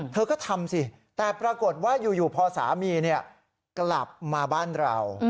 เธอก็ทำสิแต่ปรากฏว่าอยู่พอสามีกลับมาบ้านเรา